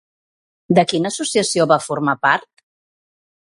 De quina associació va formar part?